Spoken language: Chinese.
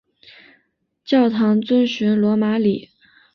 教堂遵循罗马礼。